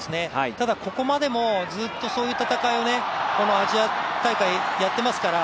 ただ、ここまでもずっとそういう戦いをこのアジア大会やってますから。